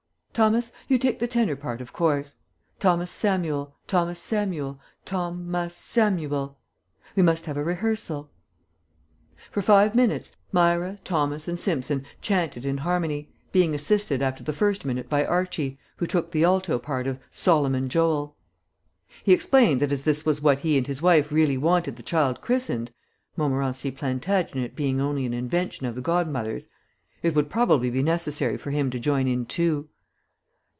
"Thomas, you take the tenor part, of course: 'Thomas Samuel, Thomas Samuel, Thom as Sam u el.' We must have a rehearsal." For five minutes Myra, Thomas, and Simpson chanted in harmony, being assisted after the first minute by Archie, who took the alto part of "Solomon Joel." He explained that as this was what he and his wife really wanted the child christened ("Montmorency Plantagenet" being only an invention of the godmother's) it would probably be necessary for him to join in too.